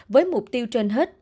với mục tiêu trên hết